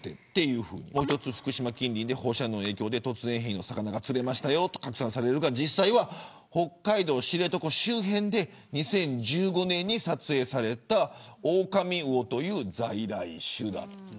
もう一つ福島近隣で放射能の影響で突然変異の魚が釣れましたと拡散されるが実際は知床周辺で２０１５年に撮影されたオオカミウオという在来種だった。